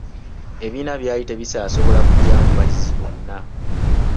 Ebibiina byali tebikyasobola kugyamu bayizi bonna.